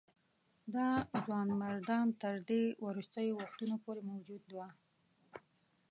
دا ځوانمردان تر دې وروستیو وختونو پورې موجود وه.